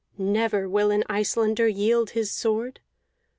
Never will an Icelander yield his sword!